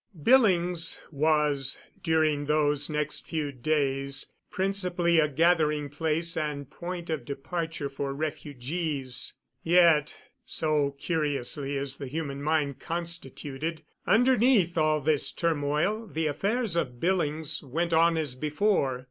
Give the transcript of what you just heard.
Billings was, during those next few days, principally a gathering place and point of departure for refugees. Yet, so curiously is the human mind constituted, underneath all this turmoil the affairs of Billings went on as before.